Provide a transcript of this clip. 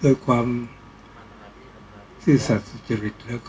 ก็ต้องทำอย่างที่บอกว่าช่องคุณวิชากำลังทำอยู่นั่นนะครับ